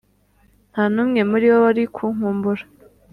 ntanumwe muribo wari kunkumbura